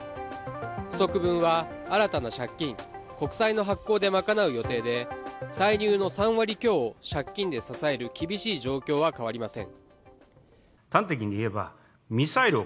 不足分は新たな借金、国債の発行で賄う予定で、歳入の３割強を借金で支える厳しい状況は変わりません。